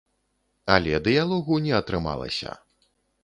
Але дыялогу не атрымалася.